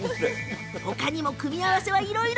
他にも、組み合わせはいろいろ。